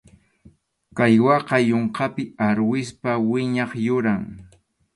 Caiguaqa yunkapi arwispa wiñaq yuram.